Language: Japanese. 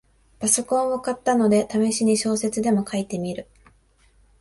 パソコンを買ったので、ためしに小説でも書いてみる